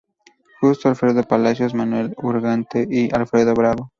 Justo, Alfredo Palacios, Manuel Ugarte y Alfredo Bravo.